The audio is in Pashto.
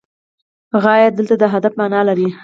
غایه دلته د هدف معنی لري.